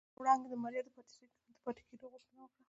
وړانګې د ماريا د پاتې کېدو غوښتنه وکړه.